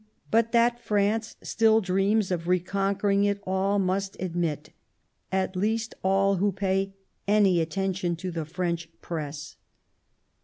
But that France still dreams of reconquering it all must admit, at least all who pay any attention to the French Press.